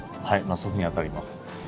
はい祖父にあたります